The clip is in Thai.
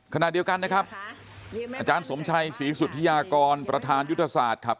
ขณะเดียวกันนะครับอาจารย์สมชัยศรีสุธิยากรประธานยุทธศาสตร์ครับ